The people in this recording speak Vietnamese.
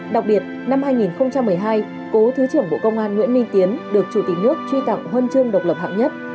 đặc biệt năm hai nghìn một mươi hai cố thứ trưởng bộ công an nguyễn minh tiến được chủ tịch nước truy tặng huân chương độc lập hạng nhất